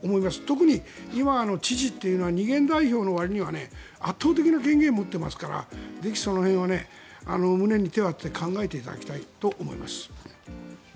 特に今、知事というのは二元代表というわりに圧倒的な権限を持っていますからその辺は胸に手を当てて考えていただきたいと思います。